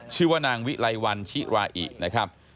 ชื่อว่านางวิไลวันชิราอินะครับ